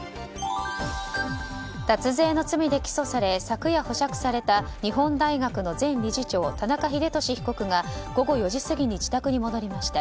脱税の罪で起訴され昨夜、保釈された日本大学の前理事長田中英寿被告が午後４時過ぎに自宅に戻りました。